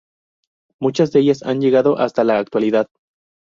Muchas de ellas han llegado hasta la actualidad.